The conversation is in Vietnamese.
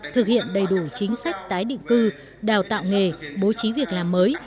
thực hiện đầy đủ chính sách tái định cư đào tạo nghề bố trí việc làm mới